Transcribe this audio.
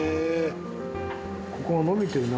ここが伸びてるね。